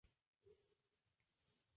Gracias a el podremos reconstruir".